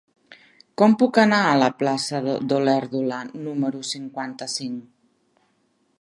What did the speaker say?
Com puc anar a la plaça d'Olèrdola número cinquanta-cinc?